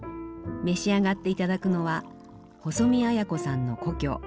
召し上がって頂くのは細見綾子さんの故郷